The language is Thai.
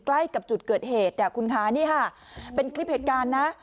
ใกล้กับจุดเกิดเหตุคุณคะนี่ค่ะเป็นคลิปเหตุการณ์นะ